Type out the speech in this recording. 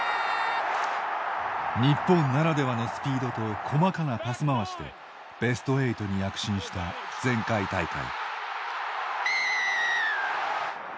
日本ならではのスピードと細かなパス回しでベスト８に躍進した前回大会。